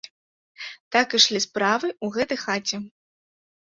Так ішлі справы ў гэтай хаце.